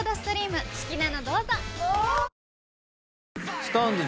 ＳｉｘＴＯＮＥＳ